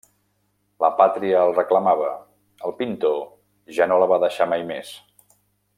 La pàtria el reclamava; el pintor ja no la va deixar mai més.